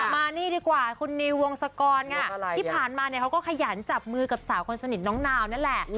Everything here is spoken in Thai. มานี่ดีกว่าคุณนิววงศกรค่ะที่ผ่านมาเนี่ยเขาก็ขยันจับมือกับสาวคนสนิทน้องนาวนั่นแหละ